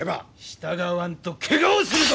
従わんとけがをするぞ！